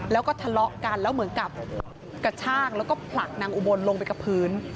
แล้วก็ทะเลาะกันแล้วเหมือนกับกระชากแล้วก็ผลักนางอุบลลงไปกับพื้น